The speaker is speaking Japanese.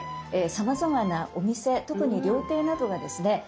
さまざまなお店特に料亭などがですね